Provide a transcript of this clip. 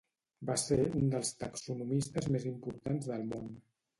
Va ser un dels taxonomistes més importants del món.